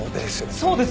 そうです！